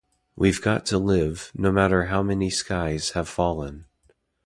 We've got to live, no matter how many skies have fallen.